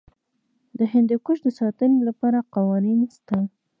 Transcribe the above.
د هندوکش د ساتنې لپاره قوانین شته.